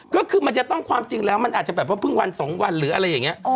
ก็คือมันจะต้องความจริงแล้วมันอาจจะแบบว่าเพิ่งวัน๒วันหรืออะไรอย่างนี้